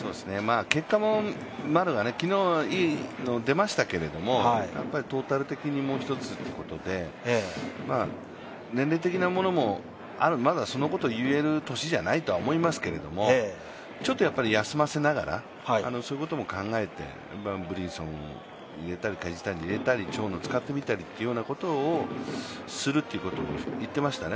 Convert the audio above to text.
結果も丸は、昨日出ましたけど、トータル的にもうひとつということで年齢的なものも、まだそんなことを言える年じゃないと思いますけど、ちょっと休ませながら、そういうことも考えてブリンソン入れたり梶谷入れたり長野使ってみたりするということを言ってましたね。